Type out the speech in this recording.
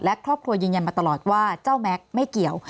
และครอบครัวยืนยันมาตลอดว่าเจ้าแม็กซ์ไม่เกี่ยว